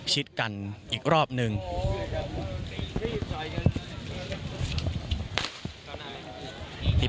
ชิดกันอีกรอบหนึ่ง